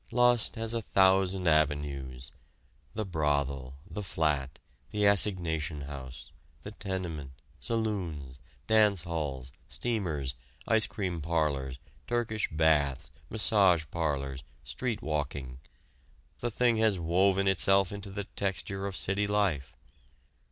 Lust has a thousand avenues. The brothel, the flat, the assignation house, the tenement, saloons, dance halls, steamers, ice cream parlors, Turkish baths, massage parlors, street walking the thing has woven itself into the texture of city life.